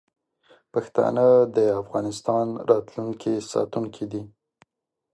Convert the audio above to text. پښتانه د افغانستان د راتلونکي ساتونکي دي.